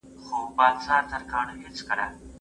فلسفه د ټولنپوهني له مخي د ډیرې ژورې پوهې مطالبه کوي.